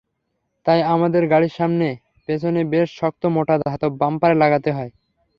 তাই আমাদের গাড়ির সামনে পেছনে বেশ শক্ত মোটা ধাতব বাম্পার লাগাতে হয়।